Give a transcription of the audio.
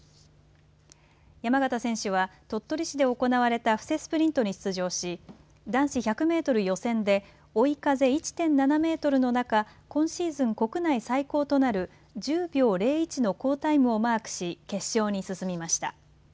山縣選手は鳥取市で行われた布勢スプリントに出場し、男子１００メートル予選で追い風１．７メートルの中、今シーズン国内最高となる１０秒０１の好タイムをマークし決勝に進みました。